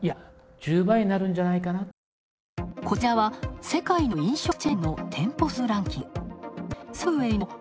こちらは世界の飲食チェーンの店舗数ランキング。